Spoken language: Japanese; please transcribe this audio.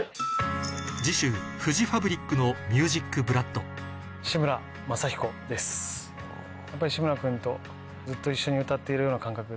次週フジファブリックのＭＵＳＩＣＢＬＯＯＤ志村君とずっと一緒に歌っているような感覚で。